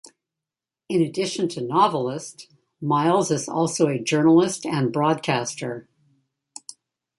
In addition to novelist, Miles is also a journalist and broadcaster.